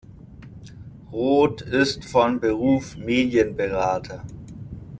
Roth ist von Beruf Medienberater.